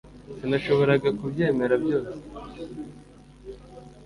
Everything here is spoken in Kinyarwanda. sinashoboraga kubyemera byose